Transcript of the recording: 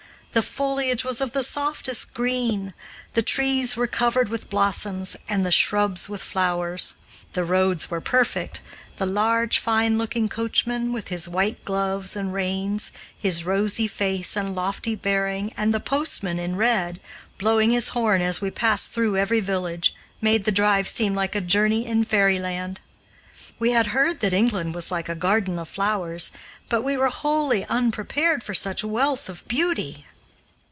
The foliage was of the softest green, the trees were covered with blossoms, and the shrubs with flowers. The roads were perfect; the large, fine looking coachman, with his white gloves and reins, his rosy face and lofty bearing and the postman in red, blowing his horn as we passed through every village, made the drive seem like a journey in fairyland. We had heard that England was like a garden of flowers, but we were wholly unprepared for such wealth of beauty.